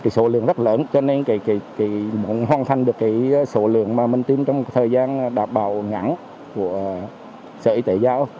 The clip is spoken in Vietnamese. số lượng rất lớn cho nên muốn hoàn thành được số lượng mà mình tiêm trong thời gian đảm bảo ngắn của sở y tế giao